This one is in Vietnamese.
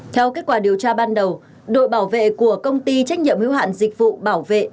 theo kết quả điều tra ban đầu đội bảo vệ của công ty trách nhiệm hiếu hạn dịch vụ bảo vệ